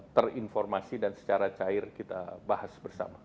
terinformasi dan secara cair kita bahas bersama